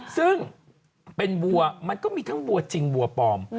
ซึ่งเป็นวัวมันก็มีทั้งวัวจริงวัวปลอม